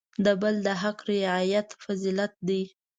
د بل د حق رعایت فضیلت دی.